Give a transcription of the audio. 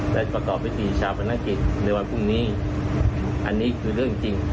และประกอบพิธีชาปนกิจในวันพรุ่งนี้อันนี้คือเรื่องจริง